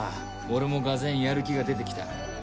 俺もがぜんやる気が出てきた。